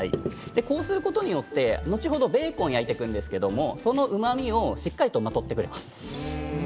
こうすることによって後ほどベーコンを焼いていくんですけれど、そのうまみをしっかりとまとってくれます。